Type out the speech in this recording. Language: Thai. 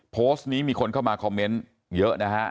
โพสต์นี้มีคนเข้ามาคอมเมนต์เยอะนะฮะ